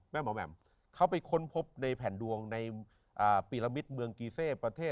แม่หมอแม่มเขาไปค้นพบในแผ่นดวงในปีระมิตเมืองกีเช่